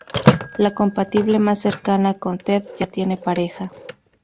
La compatible más cercana con Ted ya tiene pareja.